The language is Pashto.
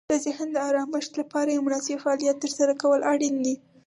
د ذهن د آرامښت لپاره یو مناسب فعالیت ترسره کول اړین دي.